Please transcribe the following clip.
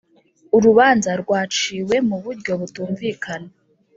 Urubanza rwaciwe mu buryo butumvikana